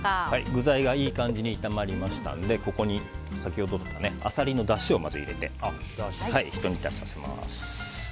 具材がいい感じに炒まりましたのでここに先ほどのアサリのだしをまず入れてひと煮立ちさせます。